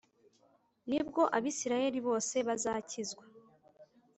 Ni bwo Abisirayeli bose bazakizwa